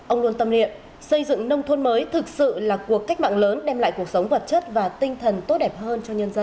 ông luôn tâm niệm xây dựng nông thôn mới thực sự là cuộc cách mạng lớn đem lại cuộc sống vật chất và tinh thần tốt đẹp hơn cho nhân dân